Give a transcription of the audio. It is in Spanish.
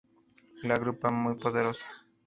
La grupa, muy poderosa.